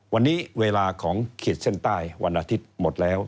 วันนี้เวลาของขีดเส้นใต้วันอาทิตย์หมดแล้ว